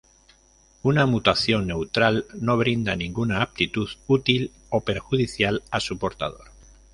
Una mutación neutral no brinda ninguna Aptitud útil o perjudicial a su portador.